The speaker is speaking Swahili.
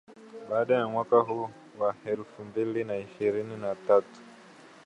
baadae mwaka huo wa elfu mbili na ishirini na tatu